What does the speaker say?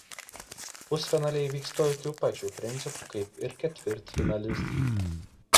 Pusfinaliai vyks tokiu pačiu principu kaip ir ketvirtfinalis.